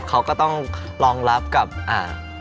เขาก็ต้องรองรับกับอ่า